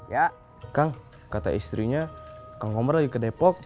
ya kang kata istrinya kang komar lagi ke depok